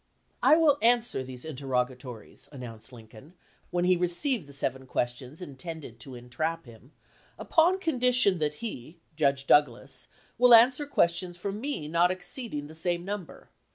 "1 will answer these interrogatories' 3 an nounced Lincoln, when he received the seven questions intended to entrap him, "upon condition that he [Judge Douglas] will answer questions from me not exceeding the same number.